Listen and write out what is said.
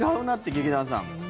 劇団さん。